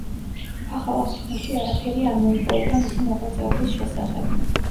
ახალ აღთქმაში არაფერი არ მოიპოვება მისი მოღვაწეობის შესახებ.